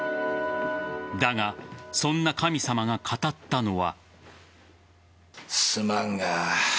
だが、そんな神様が語ったのは。